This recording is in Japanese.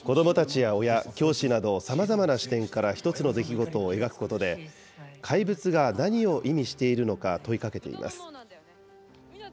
子どもたちや親、教師など、さまざまな視点から１つの出来事を描くことで、怪物が何を意味しているのか問いかけています。